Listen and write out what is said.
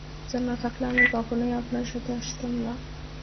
জানা থাকলে আমি কখনই আপনার সাথে আসতাম না।